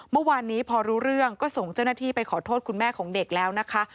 เมื่อวานนี้พอรู้เรื่องก็ส่งเจ้าหน้าที่ไปขอโทษคุณแม่ของเด็กแล้วนะคะ